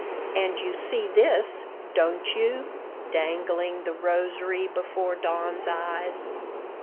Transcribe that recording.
"And you see this, don't you?" dangling the rosary before Don's eyes.